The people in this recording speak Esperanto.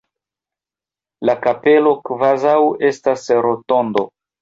La kapelo kvazaŭ estas rotondo.